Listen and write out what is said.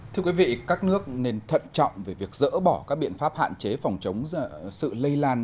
thưa quý vị các nước nên thận trọng về việc dỡ bỏ các biện pháp hạn chế phòng chống sự lây lan